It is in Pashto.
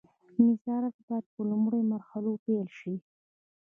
نظارت باید له لومړیو مرحلو پیل شي.